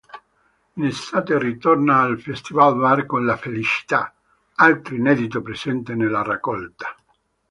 In estate, ritorna al Festivalbar con "La felicità", altro inedito presente nella raccolta.